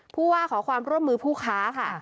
ผู้ว่าขอความร่วมมือผู้ค้าค่ะ